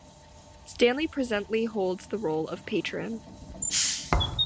Stanley presently holds the role of Patron.